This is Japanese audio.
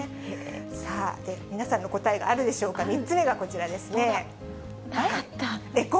さあ、で、皆さんの答えがあるでしょうか、３つ目がこちらですね。